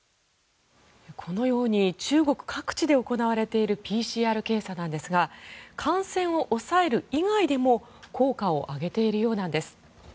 このように中国各地で行われているＰＣＲ検査ですが感染を抑える以外でも効果を上げているようなんです。